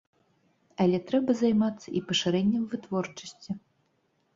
Але трэба займацца і пашырэннем вытворчасці.